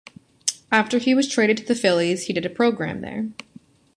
After he was traded to the Phillies, he did a program there.